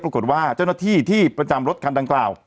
ปรากฏว่าเจ้าหน้าที่ที่ประจำรถคันดังกล่าว